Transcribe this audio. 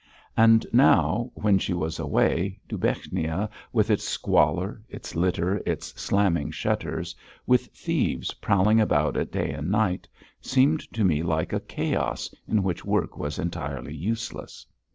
And now, when she was away, Dubechnia with its squalor, its litter, its slamming shutters, with thieves prowling about it day and night, seemed to me like a chaos in which work was entirely useless.